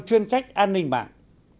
chuyên trách an ninh mạng